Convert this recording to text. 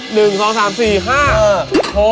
หนึ่งสองสามสี่ห้าเออ